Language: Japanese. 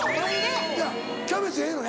キャベツええの？